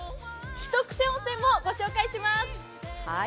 ひとクセ温泉もご紹介します。